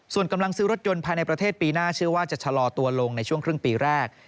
ส่วนกำลังซื้อรถยนต์ภายในประเทศปีหน้าเชื่อว่าจะชะลอตัวลงในช่วงครึ่งปีแรก